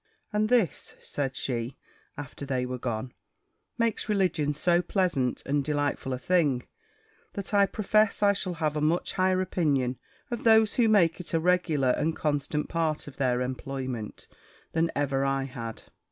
"And this," said she, after they were gone, "makes religion so pleasant and delightful a thing, that I profess I shall have a much higher opinion of those who make it a regular and constant part of their employment, than ever I had."